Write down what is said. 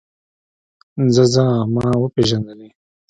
ځه ځه ما وپېژندلې.